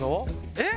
えっ？